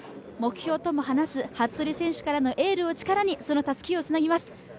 目標とも話す服部選手からのエールを力に、そのたすきをつなぎます。